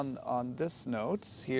kemudian ke putih